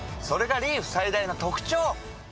それがリーフ最大の特長！